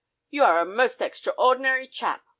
"You are a most extraordinary chap!